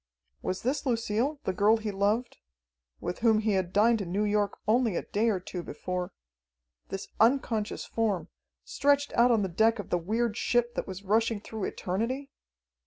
Was this Lucille, the girl he loved ... with whom he had dined in New York only a day or two before ... this unconscious form, stretched out on the deck of the weird ship that was rushing through eternity?